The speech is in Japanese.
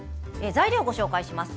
材料を、ご紹介します。